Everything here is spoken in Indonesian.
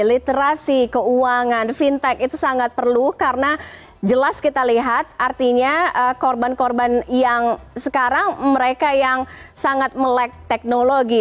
literasi keuangan fintech itu sangat perlu karena jelas kita lihat artinya korban korban yang sekarang mereka yang sangat melek teknologi